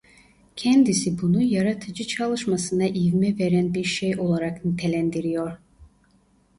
Kendisi bunu "yaratıcı çalışmasına ivme veren bir şey" olarak nitelendiriyor.